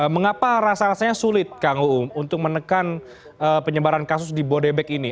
mengapa rasa rasanya sulit kang uung untuk menekan penyebaran kasus di bodebek ini